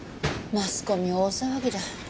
マスコミ大騒ぎだ。